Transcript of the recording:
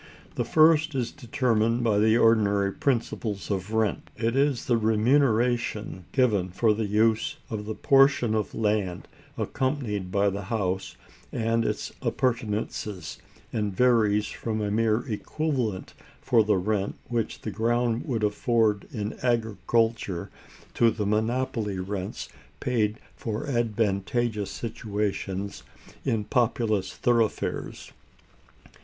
The first is determined by the ordinary principles of rent. It is the remuneration given for the use of the portion of land occupied by the house and its appurtenances; and varies from a mere equivalent for the rent which the ground would afford in agriculture to the monopoly rents paid for advantageous situations in populous thoroughfares.